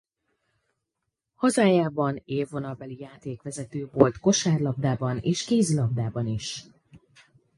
Hazájában élvonalbeli játékvezető volt kosárlabdában és kézilabdában is.